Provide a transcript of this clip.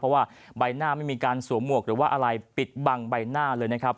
เพราะว่าใบหน้าไม่มีการสวมหมวกหรือว่าอะไรปิดบังใบหน้าเลยนะครับ